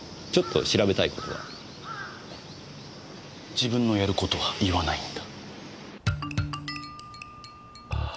自分のやる事は言わないんだ。